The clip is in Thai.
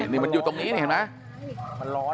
นี่มันอยู่ตรงนี้นี่เห็นไหม